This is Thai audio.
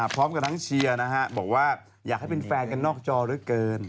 พร้อมกับทั้งเชียร์นะฮะบอกว่าอยากให้เป็นแฟนกันนอกจอเหลือเกิน